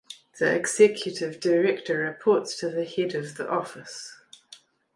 The Executive Director reports to the Head of the Office.